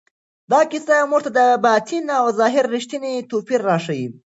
دا کیسه موږ ته د باطن او ظاهر رښتینی توپیر راښیي.